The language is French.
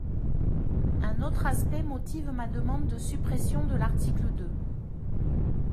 Un autre aspect motive ma demande de suppression de l’article deux.